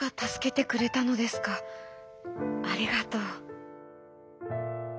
ありがとう」。